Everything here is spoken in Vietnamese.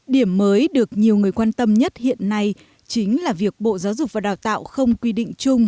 điểm mới được nhiều người quan tâm nhất hiện nay chính là việc bộ giáo dục và đào tạo không quy định chung